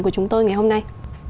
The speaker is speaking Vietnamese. của chúng tôi ngày hôm nay